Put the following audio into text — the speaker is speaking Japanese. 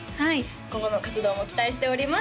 今後の活動も期待しております